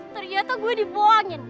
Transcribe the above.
ternyata gue diboangin